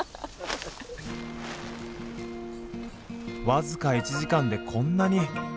僅か１時間でこんなに。